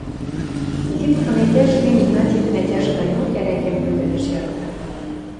Ефимовын ӓтяжӹ гӹнь, Игнатьевӹн ӓтяжӹ ганьок, ӓрӓкӓм йӱлдӓлӓш ярата.